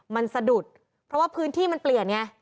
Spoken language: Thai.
มันสะดุดเพราะว่าพื้นที่มันเปลี่ยนไง